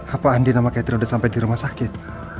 apa andi sama catherine udah sampai di rumah sakit